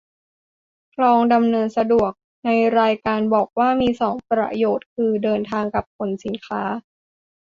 คลองดำเนินสะดวก ในรายการบอกว่ามีสองประโยชน์คือ เดินทาง กับ ขนสินค้า